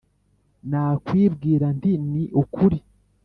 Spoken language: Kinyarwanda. Nakwibwira nti ni ukuri